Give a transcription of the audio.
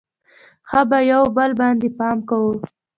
ښه به یو بل باندې پام کوو.